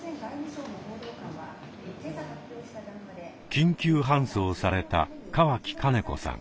緊急搬送された川木金子さん。